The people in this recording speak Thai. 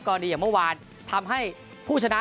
อย่างเมื่อวานทำให้ผู้ชนะ